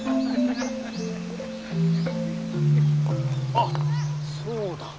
あっそうだ。